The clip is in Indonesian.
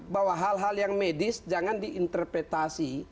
bahwa hal hal yang medis jangan diinterpretasi